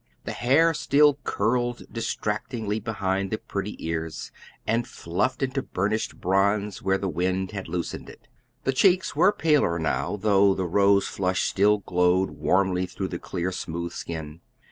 The hair still curled distractingly behind the pretty ears, and fluffed into burnished bronze where the wind had loosened it. The cheeks were paler now, though the rose flush still glowed warmly through the clear, smooth skin.